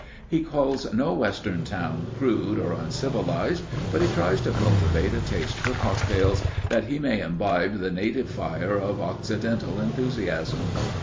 He calls no Western town crude or uncivilized, but he tries to cultivate a taste for cocktails, that he may imbibe the native fire of occidental enthusiasm.